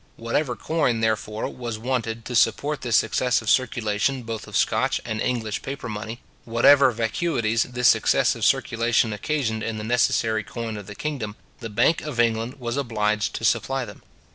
Whatever coin, therefore, was wanted to support this excessive circulation both of Scotch and English paper money, whatever vacuities this excessive circulation occasioned in the necessary coin of the kingdom, the Bank of England was obliged to supply them.